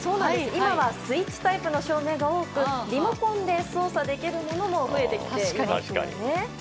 今は、スイッチタイプの照明が多くリモコンで操作できるものも増えてきていますよね。